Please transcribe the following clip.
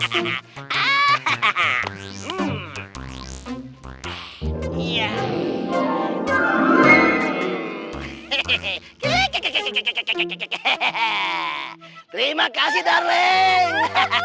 terima kasih darling